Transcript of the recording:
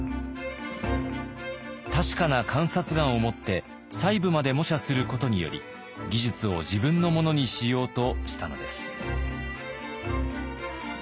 確かな観察眼をもって細部まで模写することにより技術を自分のものにしようとしたのです。